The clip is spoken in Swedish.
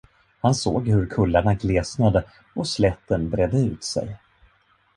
Han såg hur kullarna glesnade och slätten bredde ut sig.